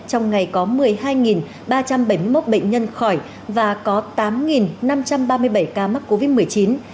trong ngày có một mươi hai ba trăm bảy mươi một bệnh nhân khỏi và có tám năm trăm ba mươi bảy ca mắc covid một mươi chín